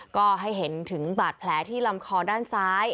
ก็ให้เห็นถึงบาดแผลที่ลำคอด้านซ้าย